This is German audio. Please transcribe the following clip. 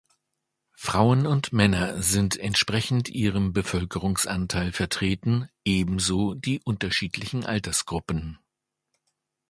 Frauen und Männer sind entsprechend ihrem Bevölkerungsanteil vertreten, ebenso die unterschiedlichen Altersgruppen.